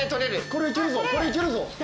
これいけるぞこれいけるぞ。